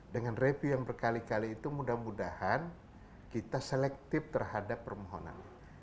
dengan review yang berkali kali itu mudah mudahan kita selektif terhadap permohonan